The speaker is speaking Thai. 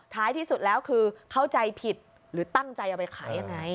ที่สุดแล้วคือเข้าใจผิดหรือตั้งใจเอาไปขายยังไง